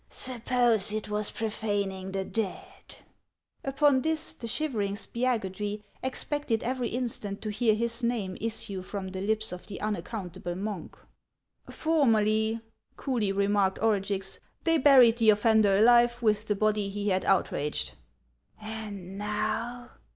" Suppose it was profaning the dead ?" Upon this the shivering Spiagudry expected every instant to hear his name issue from the lips of the unaccountable monk. " Formerly," coolly remarked Orugix, " they buried the offender alive, with the body he had outraged." " And now